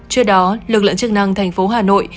trước đó lực lượng chức năng tp hà nội